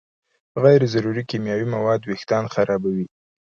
غیر ضروري کیمیاوي مواد وېښتيان خرابوي.